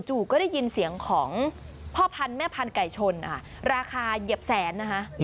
ก็ได้ยินเสียงของพ่อพันธุ์แม่พันธุไก่ชนราคาเหยียบแสนนะคะ